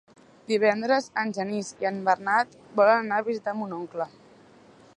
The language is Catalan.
Divendres en Genís i en Bernat volen anar a visitar mon oncle.